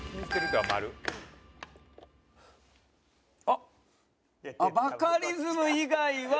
あっバカリズム以外は。